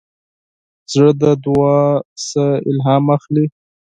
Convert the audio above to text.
زړه د دعا نه الهام اخلي.